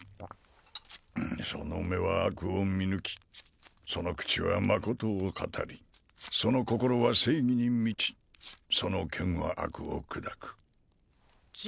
その目は悪を見抜きその口は真を語りその心は正義に満ちその剣は悪を砕くじ